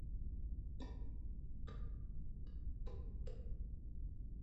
სამოქალაქო ომის შემდეგ ალექსანდრე ნეველის ეკლესია დაიხურა.